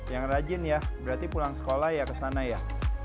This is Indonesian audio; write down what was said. yang rajin ya berarti pulang sekolah ya kesana ya